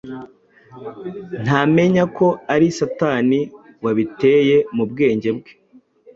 Ntamenya ko ari Satani wabiteye mu bwenge bwe